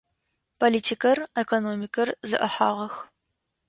Политикэр, экономикэр зэӏыхьагъэх.